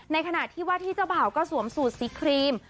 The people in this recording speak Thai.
ขณะที่ว่าที่เจ้าบ่าวก็สวมสูตรสีครีม